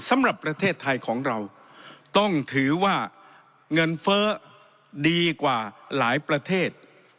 สำหรับประเทศไทยของเราต้องถือว่าเงินเฟ้อดีกว่าหลายประเทศ